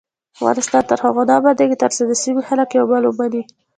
افغانستان تر هغو نه ابادیږي، ترڅو د سیمې خلک یو بل ومني.